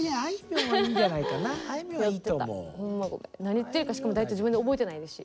何言ってるかしかも大体自分で覚えてないですし。